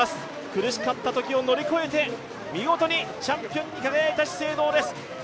苦しかった時を乗り越えて見事にチャンピオンに輝いた資生堂です！